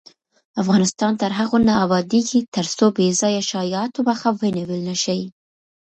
افغانستان تر هغو نه ابادیږي، ترڅو بې ځایه شایعاتو مخه ونیول نشي.